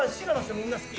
みんな好き。